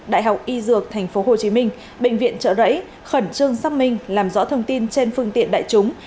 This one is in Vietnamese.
đại học y dược tp hcm bệnh viện trợ rẫy khẩn trương xác minh làm rõ thông tin trên phương tiện đại chúng